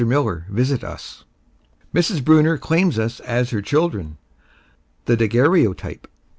MILLER VISIT US MRS. BRUNNER CLAIMS US AS HER CHILDREN THE DAGUERREOTYPE.